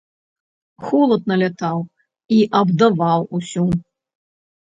Холад налятаў і абдаваў усю.